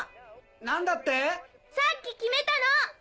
何だって⁉さっき決めたの！